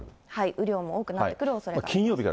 雨量も多くなってくるおそれがある。